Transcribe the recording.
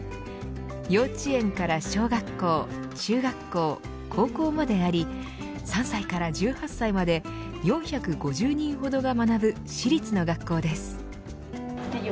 幼稚園から小学校中学校、高校まであり３歳から１８歳まで４５０人ほどが学ぶ私立の学校です。